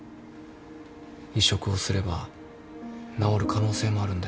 移植をすれば治る可能性もあるんだよ。